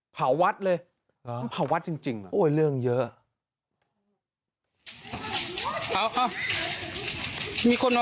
เผาวัดเลยเผาวัดจริงโอ้ยเรื่องเยอะ